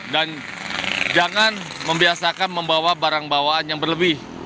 dan jangan membiasakan membawa barang bawaan yang berlebih